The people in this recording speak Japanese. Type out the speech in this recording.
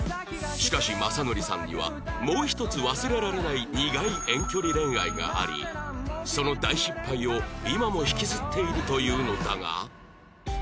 しかし雅紀さんにはもう一つ忘れられない苦い遠距離恋愛がありその大失敗を今も引きずっているというのだが